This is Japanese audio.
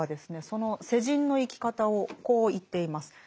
その世人の生き方をこう言っています。